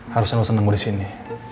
harusnya lo seneng gue di sini